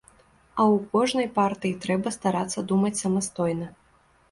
А ў кожнай партыі трэба старацца думаць самастойна.